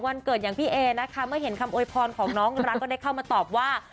วันเกิดอย่างพี่เอนะคะเมื่อเห็นคำโวยพรของน้องรักก็ได้เข้ามาตอบว่า